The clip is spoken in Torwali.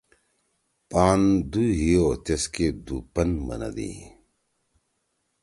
پان دُو ہیو تیس کے دُوپن بندی۔